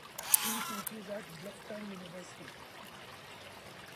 He teaches at Bluffton University.